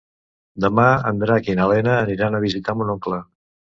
Demà en Drac i na Lena aniran a visitar mon oncle.